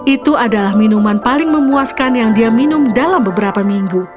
itu adalah minuman paling memuaskan yang dia minum dalam beberapa minggu